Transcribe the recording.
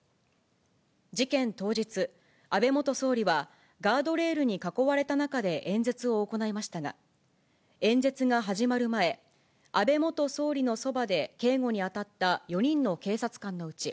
事件当日、安倍元総理は、ガードレールに囲われた中で演説を行いましたが、演説が始まる前、安倍元総理のそばで警護に当たった４人の警察官のうち、